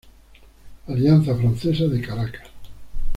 Alianza Francesa de Caracas.